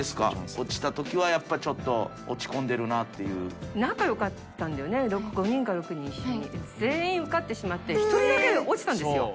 落ちたときはやっぱりちょっと、仲よかったんだよね、５人か６人、全員受かってしまって、１人だけ落ちたんですよ。